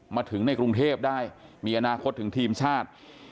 มาถึงในกรุงเทพได้มีอนาคตถึงทีมชาติ